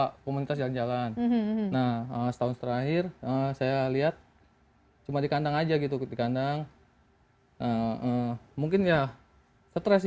ada komunitas jalan jalan nah setahun terakhir saya lihat cuma di kandang aja gitu di kandang mungkin ya stres sih